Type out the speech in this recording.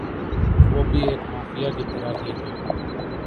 ۔ وہ بھی ایک مافیا کی طرح ھی ھیں